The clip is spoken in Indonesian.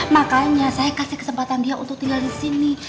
makanya saya kasih kesempatan dia untuk tinggal disini